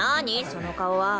その顔は。